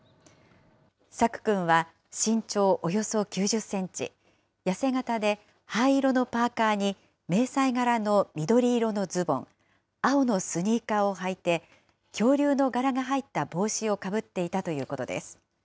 朔くんは身長およそ９０センチ、痩せ形で灰色のパーカーに迷彩柄の緑色のズボン、青のスニーカーをはいて、恐竜の柄が入った帽子をかぶっていたということです。